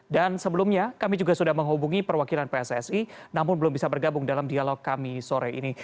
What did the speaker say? dan sebelumnya kami juga sudah menghubungi perwakilan pssi namun belum bisa bergabung dalam dialog kami sore ini